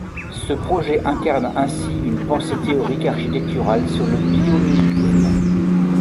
Ce projet incarne ainsi une pensée théorique architecturale sur le biomimétisme.